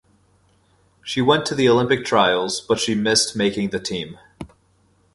She went to the Olympic Trials, but she missed making the team.